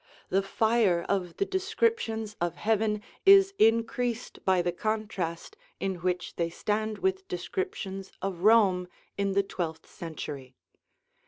The fire of the descriptions of heaven is increased by the contrast in which they stand with descriptions of Rome in the twelfth century.